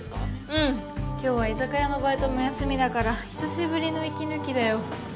うん今日は居酒屋のバイトも休みだから久しぶりの息抜きだよ。